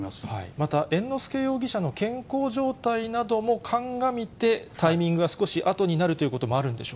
また猿之助容疑者の健康状態なども鑑みてタイミングが少しあとになるということもあるんでし